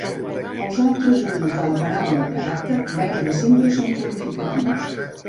Els altres usos de la paraula "caràcter" gairebé sempre són qualificats.